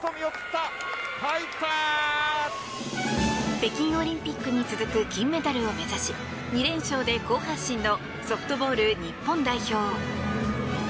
北京オリンピックに続く金メダルを目指し２連勝で好発進のソフトボール日本代表。